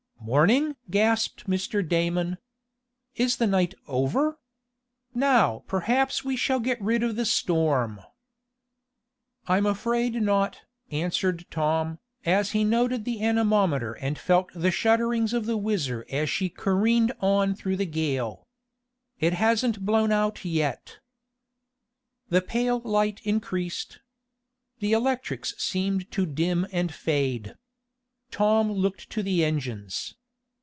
"Morning!" gasped Mr. Damon. "Is the night over? Now, perhaps we shall get rid of the storm." "I'm afraid not," answered Tom, as he noted the anemometer and felt the shudderings of the WHIZZER as she careened on through the gale. "It hasn't blown out yet!" The pale light increased. The electrics seemed to dim and fade. Tom looked to the engines.